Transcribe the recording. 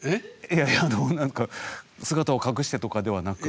いやいやあの何か姿を隠してとかではなく？